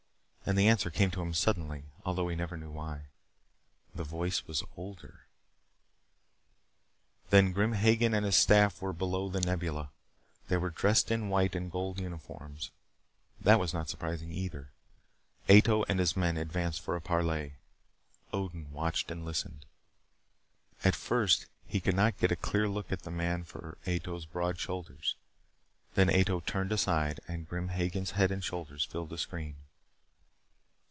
And the answer came to him suddenly although he never knew why. The voice was older! Then Grim Hagen and his staff were below The Nebula. They were dressed in white and gold uniforms. That was not surprising, either. Ato and his men advanced for a parley. Odin watched and listened. At first he could not get a clear look at the man for Ato's broad shoulders. Then Ato turned aside, and Grim Hagen's head and shoulders filled the screen.